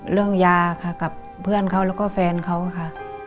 ยาค่ะกับเพื่อนเขาแล้วก็แฟนเขาค่ะ